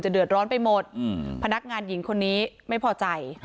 เดือดร้อนไปหมดพนักงานหญิงคนนี้ไม่พอใจ